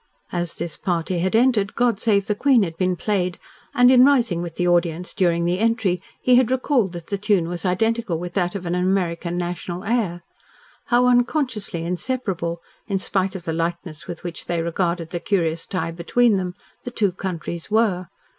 As this party had entered, "God save the Queen" had been played, and, in rising with the audience during the entry, he had recalled that the tune was identical with that of an American national air. How unconsciously inseparable in spite of the lightness with which they regarded the curious tie between them the two countries were.